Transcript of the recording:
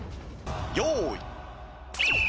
用意。